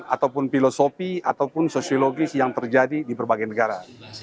ataupun filosofi ataupun sosiologis yang terjadi di berbagai negara